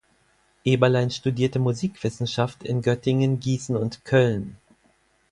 Eberlein studierte Musikwissenschaft in Göttingen, Gießen und Köln.